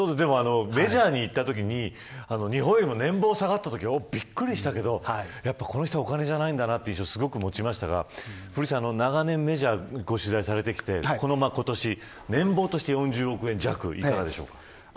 メジャーに行ったときに年俸が下がったときびっくりしたけどこの人は、お金じゃないんだなという印象がありましたが長年メジャーを取材されてきて今年年俸として４０億円弱いかがでしょうか。